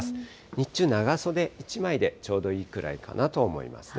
日中、長袖１枚でちょうどいいくらいかなと思いますね。